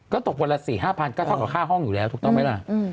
ก็ตกวันละ๔๕๐๐ก็เท่ากับค่าห้องอยู่แล้วถูกต้องไหมล่ะ